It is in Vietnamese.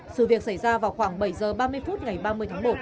sự việc xảy ra vào khoảng bảy h ba mươi phút ngày ba mươi tháng một